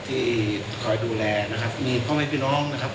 ที่คอยดูแลนะครับมีพ่อแม่พี่น้องนะครับ